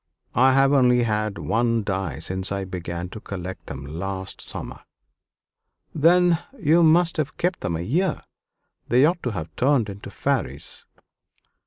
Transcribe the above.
I have only had one die since I began to collect them last summer." "Then you have kept them a year; they ought to have turned into fairies."